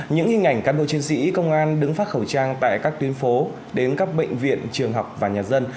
những hình ảnh cán bộ chiến sĩ công an đứng phát khẩu trang tại các tuyến phố đến các bệnh viện trường học và nhà dân